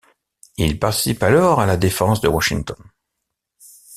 Il participe alors à la défense de Washington.